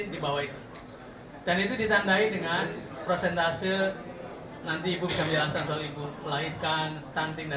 dan itu apresiasi sudah ditandai daftarkan pada saat pheawati foot cocoa speak